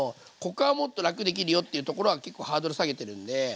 ここはもっと楽できるよっていうところは結構ハードル下げてるんで。